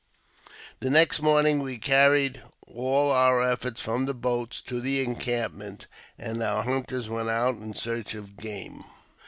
The next morning we carried all our effects from the boats to the encampment, and our hunters went out in search of game.